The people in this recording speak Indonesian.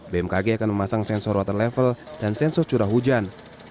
bmkg akan memasang sensor water level dan sensor curah hujan